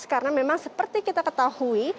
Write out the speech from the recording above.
karena memang seperti kita ketahui